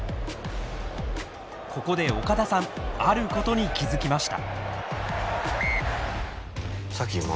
ここで岡田さんあることに気づきました。